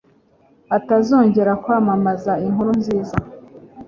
atazongera kwamamaza inkuru nziza